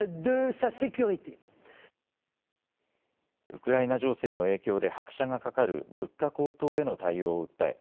ウクライナ情勢の影響で拍車がかかる物価高騰への対応を訴え